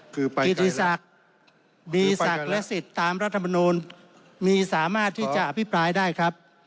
คือกิติศักดิ์มีศักดิ์และสิทธิ์ตามรัฐมนูลมีสามารถที่จะอภิปรายได้ครับ